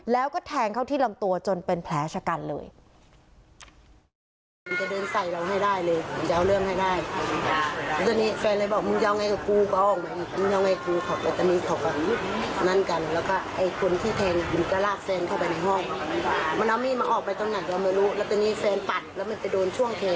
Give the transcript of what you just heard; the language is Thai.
แล้วก็แทงเข้าที่ลำตัวจนเป็นแผลชะกันเลย